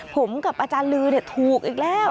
ผมกับอาจารย์ลือถูกอีกแล้ว